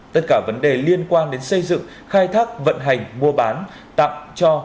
tất cả vấn đề liên quan đến xây dựng khai thác vận hành mua bán tặng cho